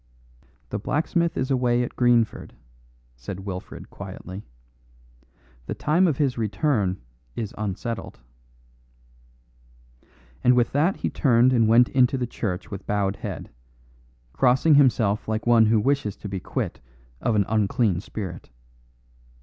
"The blacksmith is away at Greenford," said Wilfred quietly; "the time of his return is unsettled." And with that he turned and went into the church with bowed head, crossing himself like one who wishes to be quit of an unclean spirit.